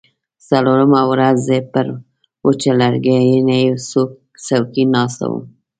څلورمه ورځ زه پر وچه لرګینۍ څوکۍ ناسته وم.